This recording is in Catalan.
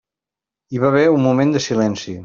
Hi va haver un moment de silenci.